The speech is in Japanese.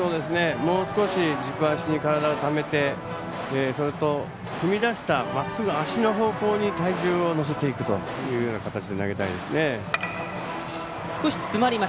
もう少し軸足に体をためて踏み出したまっすぐ足の方向に体重を乗せていくという形で投げたいですね。